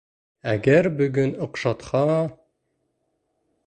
Әгәр бөгөн оҡшатһа...